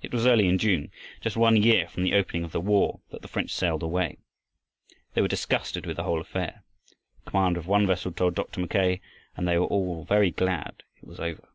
It was early in June, just one year from the opening of the war, that the French sailed away. They were disgusted with the whole affair, the commander of one vessel told Dr. Mackay, and they were all very glad it was over.